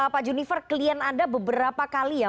pak junifernya kalian ada beberapa kali ya